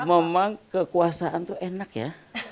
memang kekuasaan itu enak ya